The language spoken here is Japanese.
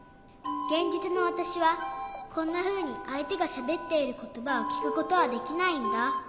げんじつのわたしはこんなふうにあいてがしゃべっていることばをきくことはできないんだ。